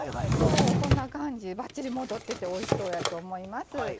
こんな感じばっちり戻ってておいしそうやと思います。